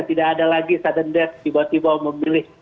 tidak ada lagi sudden death tiba tiba memilih